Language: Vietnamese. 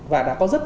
và đã có rất